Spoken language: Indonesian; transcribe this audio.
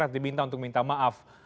diminta untuk minta maaf